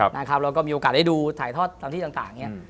เราก็มีโอกาสได้ดูถ่ายทอดทางที่ต่างอย่างนี้